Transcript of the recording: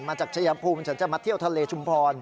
มาจากชายภูมิฉันจะมาเที่ยวทะเลชุมพร